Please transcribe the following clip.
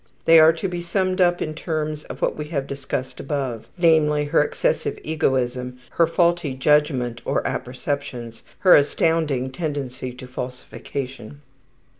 They are to be summed up in terms of what we have discussed above, namely, her excessive egoism, her faulty judgment or apperceptions, her astounding tendency to falsification.